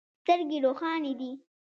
سترګې روښانې دي.